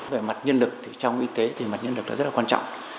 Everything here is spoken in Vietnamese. về mặt nhân lực trong y tế thì mặt nhân lực rất là quan trọng